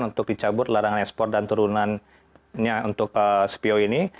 untuk dicabut larangan ekspor dan turunannya untuk cpo ini